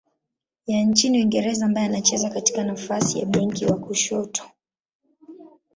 ya nchini Uingereza ambaye anacheza katika nafasi ya beki wa kushoto.